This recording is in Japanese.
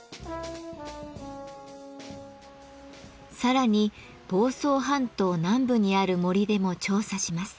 さらに房総半島南部にある森でも調査します。